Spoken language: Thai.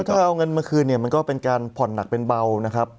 ถ้าเอาเงินมาคืนเนี่ยมันก็เป็นการผ่อนหนักเป็นเบานะครับ